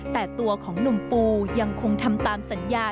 แต่ตัวของหนุ่มปูยังคงทำตามสัญญา